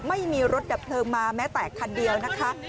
ไม่มีรถดับเพลิงมาแม้แต่คันเดียวนะคะ